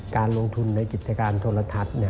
การลงทุนในกิจการโทรทัศน์